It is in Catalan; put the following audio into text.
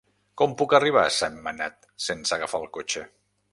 Com puc arribar a Sentmenat sense agafar el cotxe?